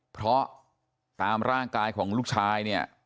เพราะตามร่างกายของลูกชายเนี่ย